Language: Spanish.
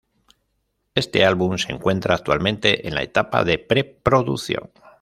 Este álbum se encuentra actualmente en la etapa de pre-producción.